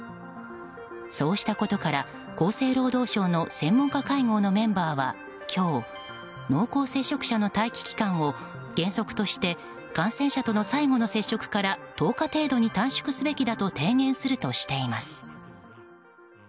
そうしたことから、厚生労働省の専門家会合のメンバーは今日、濃厚接触者の待機期間を原則として感染者との最後の接触から１０日程度に短縮すべきだと提言するとしています。